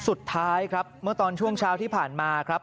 สุดท้ายเมื่อตอนช่วงเช้าที่ผ่านมา